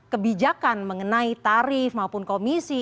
kebijakan mengenai tarif maupun komisi